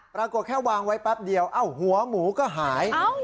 ปรากฏแค่วางไว้แป๊บเดียวเอ้าหัวหมูก็หาย